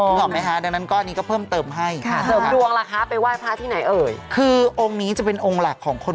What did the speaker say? คิดเห็นไหมคะดังนั้นอันนี้ก็เพิ่มเติมให้